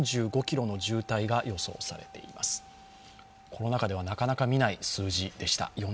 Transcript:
コロナ禍ではなかなか見ない数字でした。